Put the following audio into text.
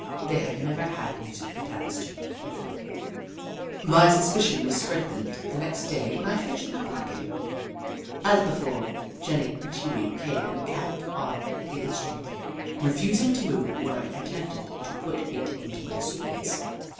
They had never had music to dance to before. Jenny Ragtail 197 My suspicion was strengthened the next day when I finished my packing. As before, Jenny and Chee Wee came and camped on the in strument, refusing to move when I attempted to put it into my suit case.